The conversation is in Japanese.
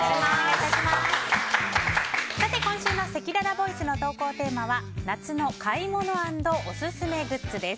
今週のせきららボイスの投稿テーマは夏の買い物＆オススメグッズです。